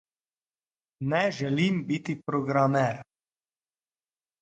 Ne želim biti programer.